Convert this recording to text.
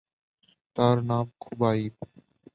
তাঁর নাম খুবাইব।